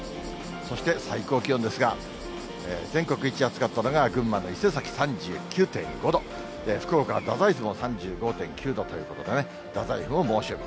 そして最高気温ですが、全国一暑かったのが、群馬の伊勢崎３９．５度、福岡・太宰府も３５．９度ということでね、大宰府も猛暑日。